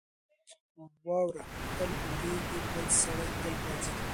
واوره تل اورېږي. بل سړی تل راځي.